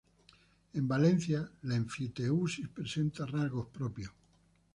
En Valencia, la enfiteusis presenta rasgos propios.